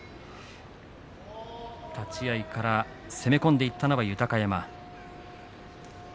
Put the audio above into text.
立ち合いから攻め込んでいったのは豊山。